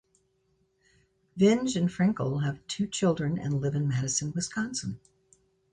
Vinge and Frenkel have two children, and live in Madison, Wisconsin.